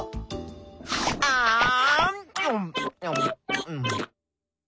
あん！